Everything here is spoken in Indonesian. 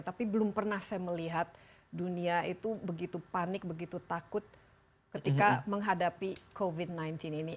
tapi belum pernah saya melihat dunia itu begitu panik begitu takut ketika menghadapi covid sembilan belas ini